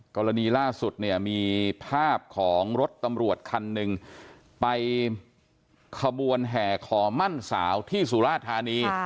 กรณีล่าสุดเนี่ยมีภาพของรถตำรวจคันหนึ่งไปขบวนแห่ขอมั่นสาวที่สุราธานี